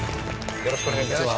よろしくお願いします。